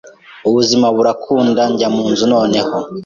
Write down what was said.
ubuzima burakunda njya munzu noneho